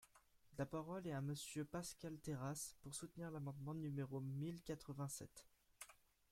La parole est à Monsieur Pascal Terrasse, pour soutenir l’amendement numéro mille quatre-vingt-sept.